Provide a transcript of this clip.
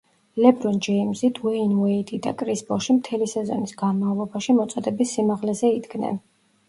ლებრონ ჯეიმზი, დუეინ უეიდი და კრის ბოში მთელი სეზონის განმავლობაში მოწოდების სიმაღლეზე იდგნენ.